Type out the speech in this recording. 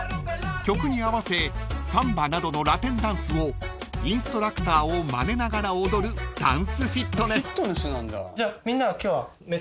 ［曲に合わせサンバなどのラテンダンスをインストラクターをまねながら踊るダンスフィットネス］じゃあみんなは今日は。